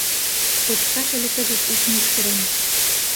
Кочкаш ыле кызыт ик мӱшкырым